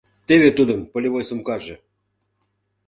Теве тудын полевой сумкаже!